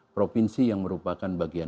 provinsi yang merupakan bagian